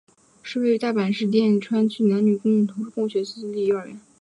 是位于大阪市淀川区的男女共学私立幼儿园。